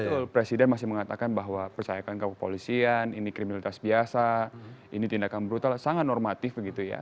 betul presiden masih mengatakan bahwa percayakan ke kepolisian ini kriminalitas biasa ini tindakan brutal sangat normatif begitu ya